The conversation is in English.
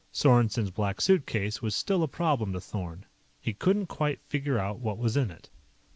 Sorensen's Black Suitcase was still a problem to Thorn. He couldn't quite figure out what was in it.